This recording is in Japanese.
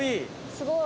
すごい。